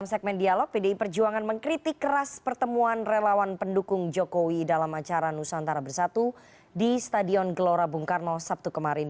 di segmen dialog pdi perjuangan mengkritik keras pertemuan relawan pendukung jokowi dalam acara nusantara bersatu di stadion gelora bung karno sabtu kemarin